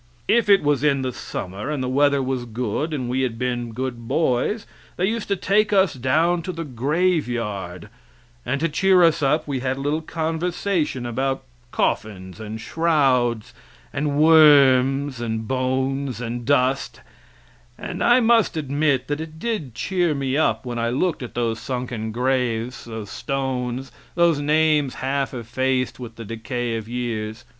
If it was in the summer and the weather was good and we had been good boys, they used to take us down to the graveyard, and to cheer us up we had a little conversation about coffins, and shrouds, and worms, and bones, and dust, and I must admit that it did cheer me up when I looked at those sunken graves those stones, those names half effaced with the decay of years.